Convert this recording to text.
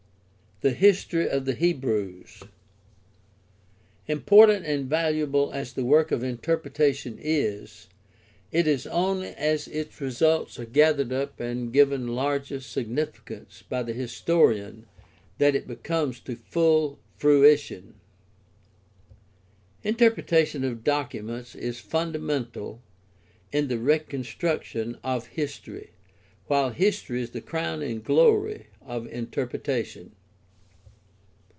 THE HISTORY OF THE HEBREWS Important and valuable as the work of interpretation is, it is only as its results are gathered up and given larger sig nificance by the historian that it comes to full fruition. I20 GUIDE TO STUDY OF CHRISTIAN RELIGION Interpretation of documents is fundamental in the recon struction of history, while history is the crown and glory of interpretation.